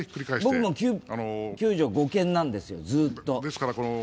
僕も９条護憲なんですよ、ずっと。